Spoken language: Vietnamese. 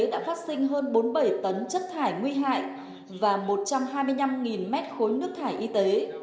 đã phát sinh hơn bốn mươi bảy tấn chất thải nguy hại và một trăm hai mươi năm mét khối nước thải y tế